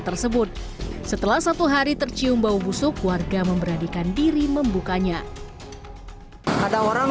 tersebut setelah satu hari tercium bau busuk warga memberanikan diri membukanya ada orang